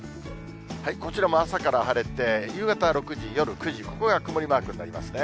こちらも朝から晴れて、夕方６時、夜９時、ここが曇りマークになりますね。